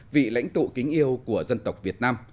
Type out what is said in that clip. vị lãnh tụ kính yêu của dân tộc việt nam